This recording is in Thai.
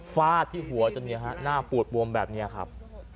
ฟ้าที่หัวจะมีหน้าปูดบวมแบบเนี่ยครับ